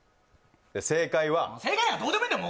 正解は正解なんかどうでもいいんだよ